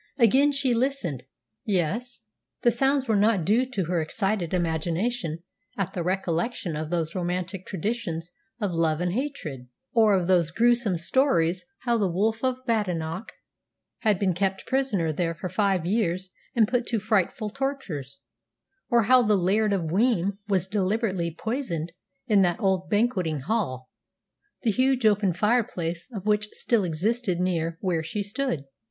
Again she listened. Yes. The sounds were not due to her excited imagination at the recollection of those romantic traditions of love and hatred, or of those gruesome stories of how the Wolf of Badenoch had been kept prisoner there for five years and put to frightful tortures, or how the Laird of Weem was deliberately poisoned in that old banqueting hall, the huge open fireplace of which still existed near where she stood.